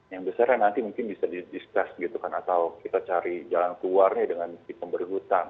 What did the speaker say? yang besarnya nanti mungkin bisa didiscuss gitu kan atau kita cari jalan keluarnya dengan si pemberhutan